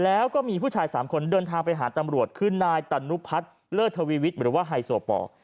แล้วก็มีผู้ชาย๓คนเดินทางไปหาตำรวจคือนายตานุพัฒน์เลิศทวีวิทย์หรือว่าไฮโซปอร์